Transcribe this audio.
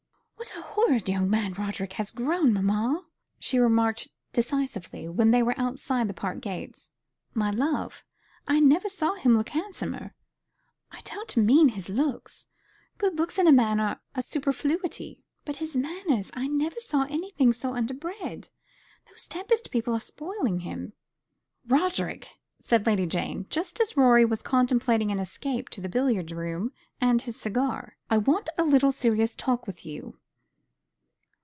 "What a horrid young man Roderick has grown, mamma!" she remarked decisively, when they were outside the park gates. "My love, I never saw him look handsomer." "I don't mean his looks. Good looks in a man are a superfluity. But his manners I never saw anything so underbred. Those Tempest people are spoiling him." "Roderick," said Lady Jane, just as Rorie was contemplating an escape to the billiard room and his cigar, "I want a little serious talk with you."